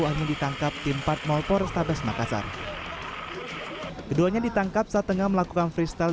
hanya ditangkap tim part maupor stabes makassar keduanya ditangkap setengah melakukan freestyle